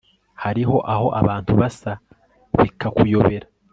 hariho aho abantu basa bika kuyobera